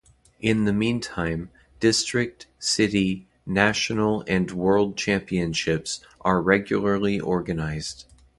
In the meantime, district, city, national and world championships are regularly organized.